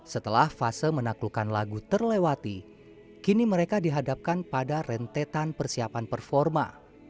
setelah fase menaklukkan lagu terlewati kini mereka dihadapkan pada rentetan persiapan performa